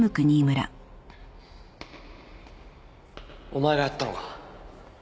お前がやったのか？